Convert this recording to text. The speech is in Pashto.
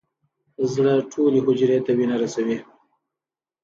زړه ټولې حجرې ته وینه رسوي.